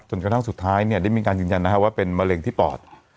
กระทั่งสุดท้ายเนี่ยได้มีการยืนยันว่าเป็นมะเร็งที่ปอด